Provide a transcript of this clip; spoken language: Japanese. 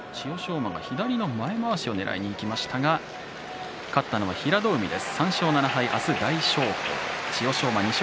馬が左の前まわしをねらいにいきましたが勝ったのは平戸海です。